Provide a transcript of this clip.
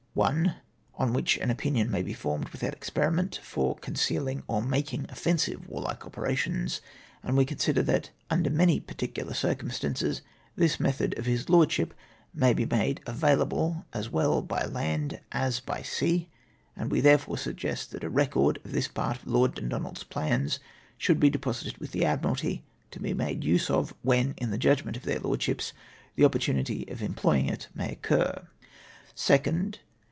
One, on which an opinion may be formed without experiment, for concealing or making offensive warlike ope rations ; and we consider that, under many particular cir 234 OriNIOX OF THE COMMISSIOXERS. cumstauces this method of his Lordsliip ma.y be made avail able as Avell b}' land as by sea, aud we therefore suggest that a record of this part of Lord Dundonald's plans should be deposited with the Admiralty, to be made use of when in the judgment of their Lordships the opportunity of employing it may occur. " 2nd.